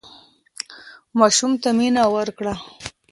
ماشوم ته مينه ورکړه